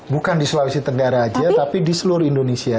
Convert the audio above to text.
bukan di sulawesi tenggara aja tapi di seluruh indonesia